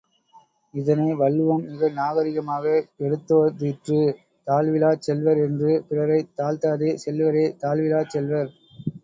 இதனை வள்ளுவம் மிக நாகரிகமாக எடுத்தோதிற்று தாழ்விலாச் செல்வர் என்று பிறரைத் தாழ்த்தாத செல்வரே தாழ்விலாச் செல்வர்.